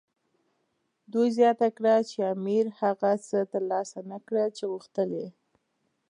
دوی زیاته کړه چې امیر هغه څه ترلاسه نه کړل چې غوښتل یې.